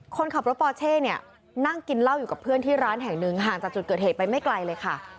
คนขับรถปอเช่เนี่ยนั่งกินเหล้าอยู่กับเพื่อนที่ร้านแห่งหนึ่งห่างจากจุดเกิดเหตุไปไม่ไกลเลยค่ะ